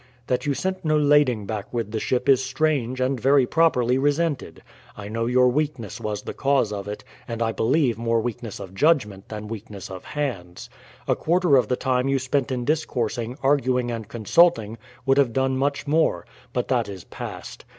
That you sent no lading back with the ship is strange, and very properly resented. I know your weakness was the cause of it; and I beHeve more weakness of judgment than weakness of hands. A quarter of the time you spent in discoursing, arguing, and consulting, would have done much more; but that is past.